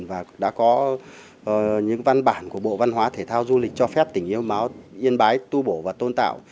và đã có những văn bản của bộ văn hóa thể thao du lịch cho phép tỉnh yêu máu yên bái tu bổ và tôn tạo